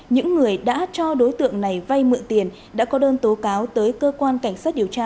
những người đã cho đối tượng này vay mượn tiền đã có đơn tố cáo tới cơ quan cảnh sát điều tra